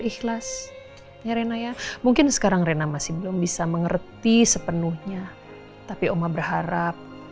doa belajar ikhlas reno ya mungkin sekarang r sector bisa mengerti sepenuhnya tapi omah berharap